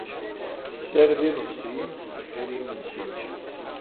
Tessared iḍebsiyen sdeffir yimensi.